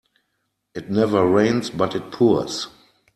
It never rains but it pours.